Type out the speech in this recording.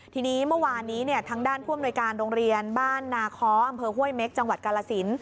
ทีนี้เมื่อวานนี้ทางด้านผู้อำนวยการโรงเรียนบ้านนาค้ออำเภอห้วยเม็กจังหวัดกาลสิน